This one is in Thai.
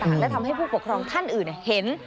และทำให้ผู้ปกครองท่านอื่นเห็น